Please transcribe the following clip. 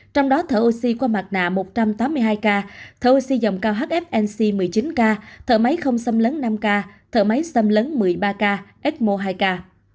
trong đó thở oxy qua mặt nạ một trăm tám mươi hai ca thở oxy dòng cao hfnc một mươi chín ca thở máy không xâm lấn năm ca thở máy xâm lấn một mươi ba ca ecmo hai ca